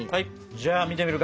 じゃあ見てみるか。